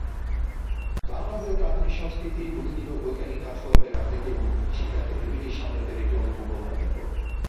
বাংলা হয়ে ওঠে আধুনিক সংস্কৃতি, বুদ্ধিজীবী ও বৈজ্ঞানিক কাজকর্মের, রাজনীতি এবং শিক্ষার ক্ষেত্রে ব্রিটিশ সাম্রাজ্যের একটি অন্যতম প্রধান কেন্দ্র।